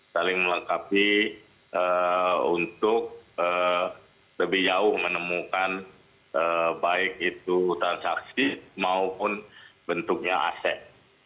saling melengkapi untuk lebih jauh menemukan baik itu transaksi maupun bentuknya aset